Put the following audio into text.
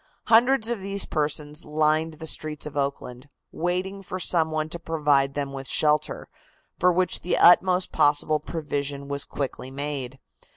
Hundreds of these persons lined the streets of Oakland, waiting for some one to provide them with shelter, for which the utmost possible provision was quickly made.